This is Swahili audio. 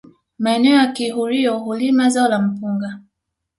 Maeneo ya kihurio hulima zao la mpunga